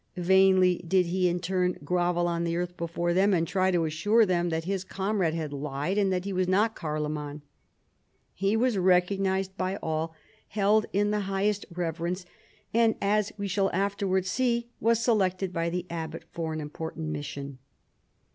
Vainly did he in turn grovel on the earth before them and try to as sure them that his comrade had lied and that he was not Carloman, He was recognized by all, held in the highest reverence, and as we shall afterwards see, was selected by the abbot for an important mission.